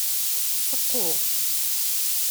Qqu.